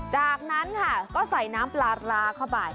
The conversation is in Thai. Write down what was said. จากนั้นค่ะก็ใส่น้ำปลาร้าเข้าไป